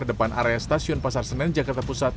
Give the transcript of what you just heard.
depan area stasiun pasar senen jakarta pusat